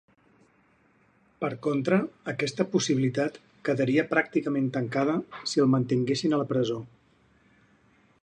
Per contra, aquesta possibilitat quedaria pràcticament tancada si el mantinguessin a la presó.